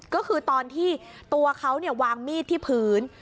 ก็คือตอนที่ตัวเขาวางมีดที่พื้น